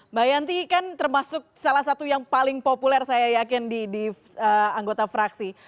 mbak yanti kan termasuk salah satu yang paling populer saya yakin di anggota fraksi